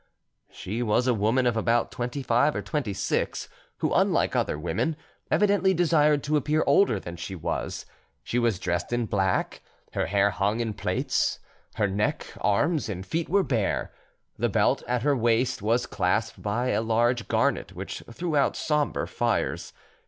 She was a woman of about twenty five or twenty six, who, unlike other women, evidently desired to appear older than she was. She was dressed in black; her hair hung in plaits; her neck, arms, and feet were bare; the belt at her waist was clasped by a large garnet which threw out sombre fires.